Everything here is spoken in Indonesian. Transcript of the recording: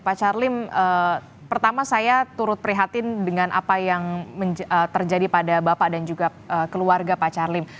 pak charliem pertama saya turut prihatin dengan apa yang terjadi pada bapak dan juga keluarga pak charlie